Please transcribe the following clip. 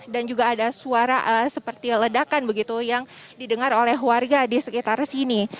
dan juga ada suara seperti ledakan begitu yang didengar oleh warga di sekitar sini